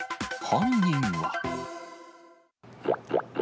犯人は？